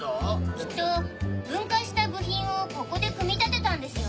きっと分解した部品をここで組み立てたんですよ。